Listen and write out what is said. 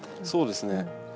そうですね。